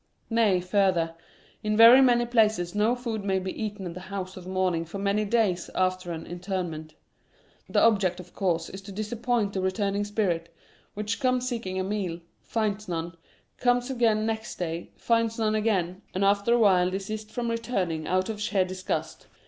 Nay, further — in very many places no food may be eaten in the house of mourn ing for many days after an interment. The object of course is to disappoint the returning spirit, which comes seeking a meal, finds none, comes again next day, finds none again, and after a while desists from returning out of sheer disgust.